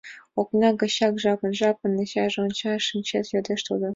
Окна гычын жапын-жапын ачаже ончалеш, «Шинчет? — йодеш тудо.